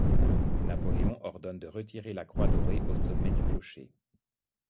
Napoléon ordonne de retirer la croix dorée au sommet du clocher.